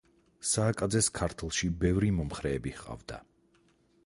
სააკაძეს ქართლში ბევრი მომხრეები ჰყავდა.